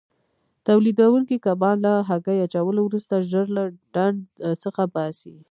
تولیدوونکي کبان له هګۍ اچولو وروسته ژر له ډنډ څخه باسي.